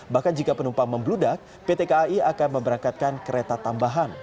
bahkan jika penumpang membludak pt kai akan memberangkatkan kereta tambahan